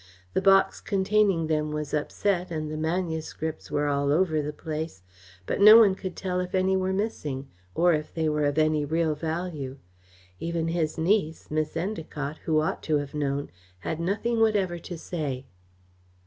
The box containing them was upset and the manuscripts were all over the place, but no one could tell if any were missing, or if they were of any real value. Even his niece, Miss Endacott, who ought to have known, had nothing whatever to say."